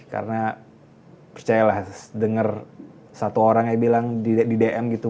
karena percaya lah denger satu orang yang bilang di dm gitu